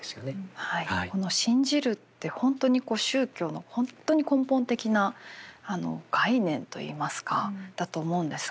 この「信じる」って本当に宗教の本当に根本的な概念といいますかだと思うんですが。